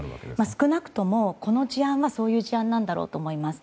少なくともこの事案はそういう事案なんだろうと思います。